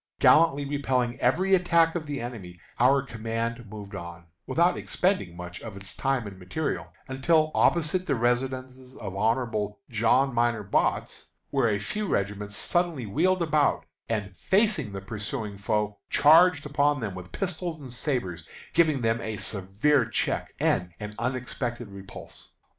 Gallantly repelling every attack of the enemy, our command moved on, without expending much of its time and material, until opposite the residence of Hon. John Minor Botts, where a few regiments suddenly wheeled about, and, facing the pursuing foe, charged upon them with pistols and sabres, giving them a severe check and an unexpected repulse.